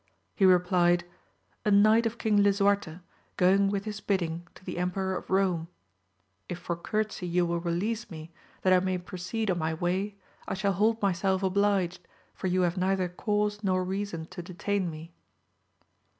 He replied, A knight of King Lisuarte, going with his bidding to the Emperor of Eome ; if for courtesy you will release me, that I may proceed on my way, I shall hold myself obliged, for you have neither cause nor reason to detain me.